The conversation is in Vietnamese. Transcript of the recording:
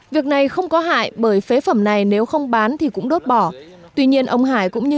việc này không có hại bởi phế phẩm này nếu không bán thì cũng đốt bỏ tuy nhiên ông hải cũng như